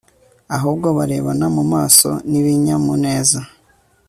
ahubwo barebana mumaso nibinyamuneza